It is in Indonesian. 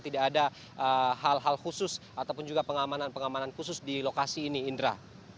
tidak ada hal hal khusus ataupun juga pengamanan pengamanan khusus di lokasi ini indra